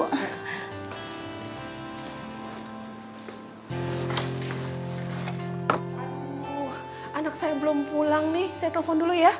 aduh anak saya belum pulang nih saya telepon dulu ya